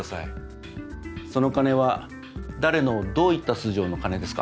その金は誰のどういった素性の金ですか？